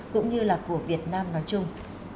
cũng như là của việt nam nói chung